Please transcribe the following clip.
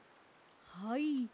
はい。